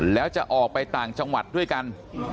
แล้วจะออกไปต่างจังหวัดด้วยกัน